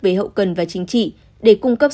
về hậu cần và chính trị để cung cấp